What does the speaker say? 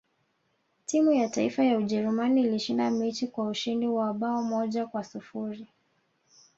timu ya taifa ya ujerumani ilishinda mechi kwa ushindi wa bao moja kwa sifuri